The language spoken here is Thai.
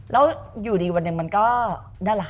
แล้วอยู่ดีวันหนึ่งมันก็นั่นแหละค่ะ